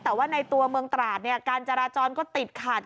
แต่ว่าในตัวเมืองตราดเนี่ยการจราจรก็ติดขัด